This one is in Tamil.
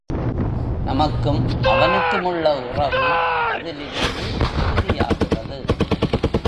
நமக்கும் அவனுக்குமுள்ள உறவு அதிலிருந்து மிகுதியாகிறது.